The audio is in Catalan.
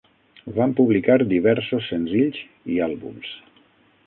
Van publicar diversos senzills i àlbums.